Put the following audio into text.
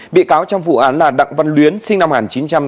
bị cáo trong vụ án là đặng văn luyến sinh năm một nghìn chín trăm tám mươi